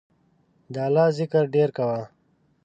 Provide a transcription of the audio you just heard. د الله ذکر ډیر کوه